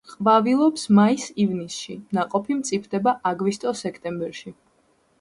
ყვავილობს მაის-ივნისში, ნაყოფი მწიფდება აგვისტო-სექტემბერში.